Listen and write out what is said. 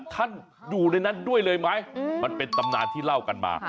ท่านอยู่ในนั้นด้วยเลยไหมมันเป็นตำนานที่เล่ากันมา